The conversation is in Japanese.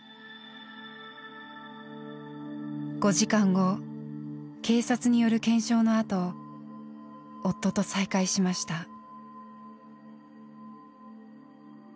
５時間後警察による検証のあと夫と再会しました。